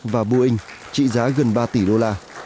và boeing trị giá gần ba tỷ đô la